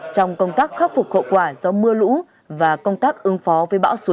trong công tác khắc phục khẩu quả do mưa lũ và công tác ứng phó với bão số chín